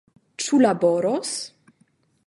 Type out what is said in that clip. Ĉu laboros?